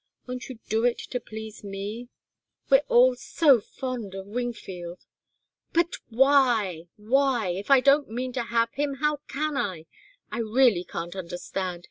Won't you do it to please me? We're all so fond of Wingfield " "But why? why? If I don't mean to have him, how can I? I really can't understand.